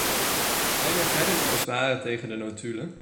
Zijn er verder bezwaren tegen de notulen?